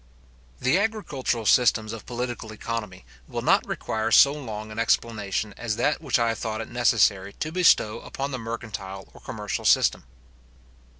The agricultural systems of political economy will not require so long an explanation as that which I have thought it necessary to bestow upon the mercantile or commercial system.